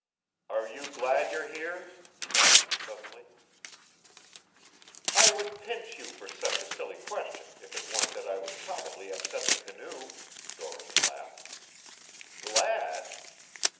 "Are you glad you're here?" he asked suddenly. "I would pinch you for such a silly question if it weren't that I would probably upset the canoe," Doris laughed. "Glad?"